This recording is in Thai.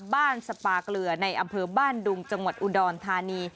สปาเกลือในอำเภอบ้านดุงจังหวัดอุดรธานี